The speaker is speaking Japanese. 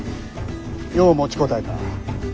よう持ちこたえた。